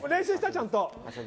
ちゃんと。